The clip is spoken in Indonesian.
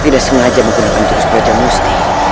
tidak sengaja menggunakan terus berjalan musti